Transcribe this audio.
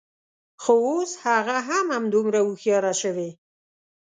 خو، اوس هغه هم همدومره هوښیاره شوې